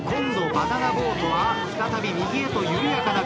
バナナボートは再び右へと緩やかなカーブ。